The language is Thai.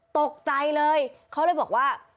ตกใจเลยเขาเลยบอกว่า